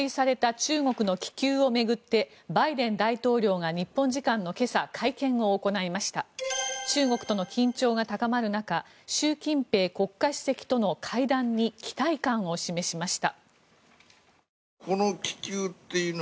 中国との緊張が高まる中習近平国家主席との会談に期待感を示しました。